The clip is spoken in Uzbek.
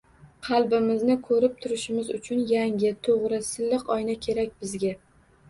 Qalbimizni ko‘rib turishimiz uchun yangi, to‘g‘ri, silliq oyna kerak bizga!